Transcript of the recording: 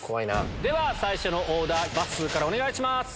では最初のオーダーまっすーからお願いします。